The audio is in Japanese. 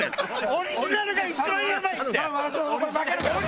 オリジナルが一番やばいって！